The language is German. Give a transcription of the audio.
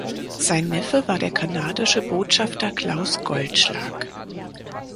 Sein Neffe war der kanadische Botschafter Klaus Goldschlag.